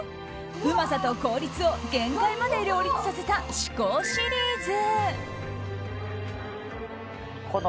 うまさと効率を限界まで両立させた至高シリーズ。